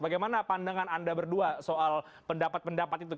bagaimana pandangan anda berdua soal pendapat pendapat itu